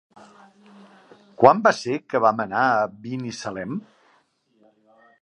Quan va ser que vam anar a Binissalem?